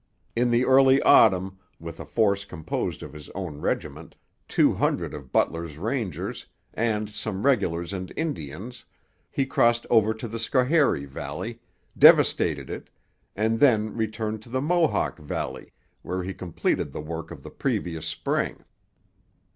In the early autumn, with a force composed of his own regiment, two hundred of Butler's Rangers, and some regulars and Indians, he crossed over to the Schoharie valley, devastated it, and then returned to the Mohawk valley, where he completed the work of the previous spring.